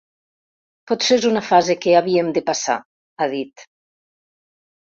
Potser és una fase que havíem de passar, ha dit.